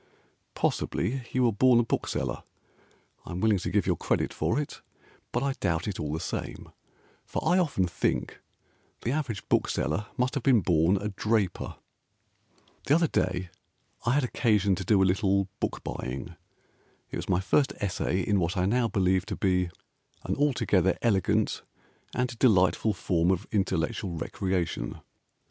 Possibly you were born a bookseller. I am willing to give your credit for it, But I doubt it all the same, For I often think the average bookseller Must have been born a draper. The other day I had occasion to do a little book buying. It was my first essay In what I now believe to be An altogether elegant and delightful form Of intellectual recreation.